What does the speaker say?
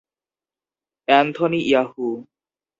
Anthony Yahoo!